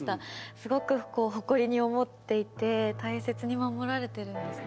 すごく誇りに思っていて大切に守られてるんですね。